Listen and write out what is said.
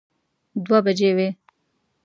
دوه بجې وې.